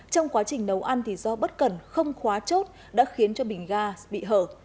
trong quá trình nấu ăn thì do bất cần không khóa chốt đã khiến cho bình gà bị hở